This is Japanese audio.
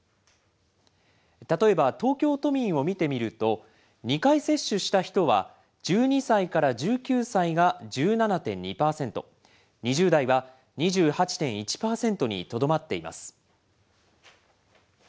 例えば東京都民を見てみると、２回接種した人は１２歳から１９歳が１７．２％、２０代は２８．１％にとどまっています。